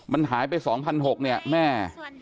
มันหายไป๒๖๐๐เนี่ยแม่